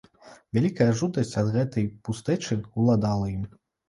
Вялікая жудасць ад гэтай пустэчы ўладала ім.